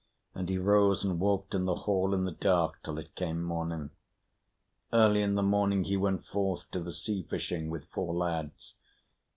And he arose and walked in the hall in the dark till it came morning. Early in the morning he went forth to the sea fishing with four lads.